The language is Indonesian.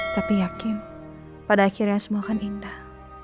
tapi yakin pada akhirnya semua kan indah